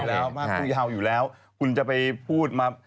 ผู้ยาวอยู่แล้วคุณจะไปพูดมา